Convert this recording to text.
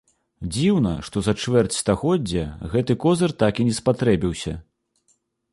Дзіўна, што за чвэрць стагоддзя гэты козыр так і не спатрэбіўся.